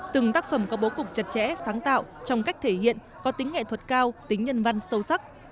từng tác phẩm có bố cục chặt chẽ sáng tạo trong cách thể hiện có tính nghệ thuật cao tính nhân văn sâu sắc